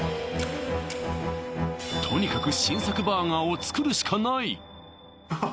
とにかく新作バーガーを作るしかないあはは